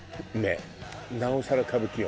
なおさら歌舞伎よ。